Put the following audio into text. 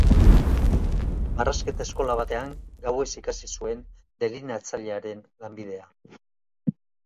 Marrazketa eskola batean gauez ikasi zuen delineatzailearen lanbidea.